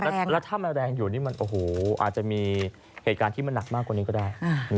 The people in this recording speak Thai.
แล้วถ้ามันแรงอยู่นี่มันโอ้โหอาจจะมีเหตุการณ์ที่มันหนักมากกว่านี้ก็ได้